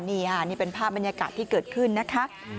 นี่ค่ะนี่เป็นภาพบรรยากาศที่เกิดขึ้นนะคะ